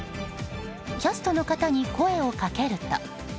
キャストの方に声をかけると。